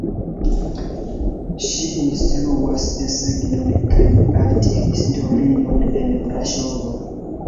Ŝi instruas desegnon kaj arthistorion en Braŝovo.